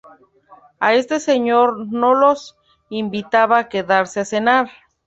A este señor no lo invitaban a quedarse a cenar.